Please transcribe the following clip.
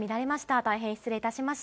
大変失礼いたしました。